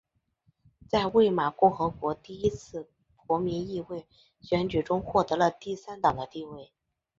在魏玛共和国第一次国民议会选举中获得了第三党的地位。